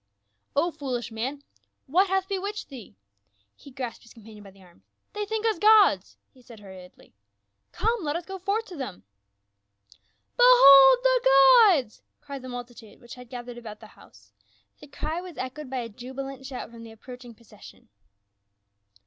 " O foolish man, what hath bewitched thee !" He grasped his com panion by the arm. "They think us gods!" he said hurriedly, " Come, let us go forth to them." " Behold the gods !" cried the multitude, which had gathered about the house ; the cry was echoed by a jubilant shout from the approaching procession.